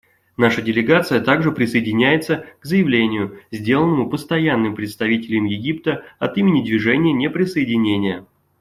Наша делегация также присоединяется к заявлению, сделанному Постоянным представителем Египта от имени Движения неприсоединения.